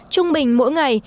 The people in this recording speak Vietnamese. trung bình mỗi ngày